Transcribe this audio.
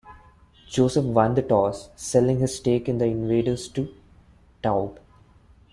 Joseph won the toss, selling his stake in the Invaders to Taube.